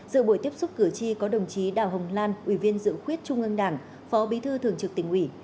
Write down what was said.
dự buổi tiếp xúc cử tri có đồng chí đào hồng lan ủy viên dự khuyết trung ương đảng phó bí thư thường trực tỉnh ủy